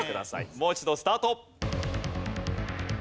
もう一度スタート。